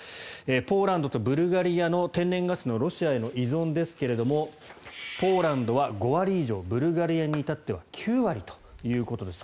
ポーランドとブルガリアの天然ガスのロシアへの依存ですがポーランドは５割以上ブルガリアに至っては９割ということです。